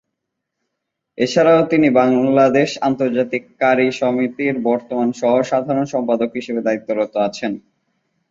এ ছাড়াও তিনি বাংলাদেশ আন্তর্জাতিক ক্বারী সমিতির বর্তমান সহ-সাধারণ সম্পাদক হিসেবে দায়িত্বরত আছেন।